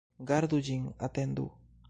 Gardu ĝin, atendu!